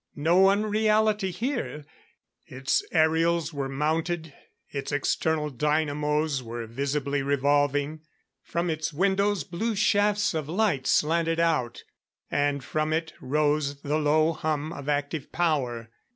No unreality here. Its aerials were mounted; its external dynamos were visibly revolving; from its windows blue shafts of light slanted out; and from it rose the low hum of active power.